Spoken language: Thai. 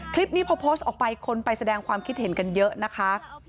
คลิปนี้พอโพสต์ออกไปคนไปแสดงความคิดเห็นกันเยอะนะคะ